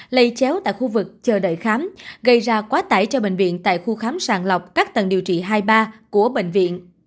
lây chéo tại khu vực chờ đợi khám gây ra quá tải cho bệnh viện tại khu khám sàng lọc các tầng điều trị hai ba của bệnh viện